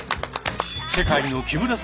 「世界の木村さん」